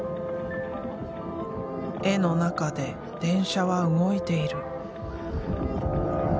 絵の中で電車は動いている。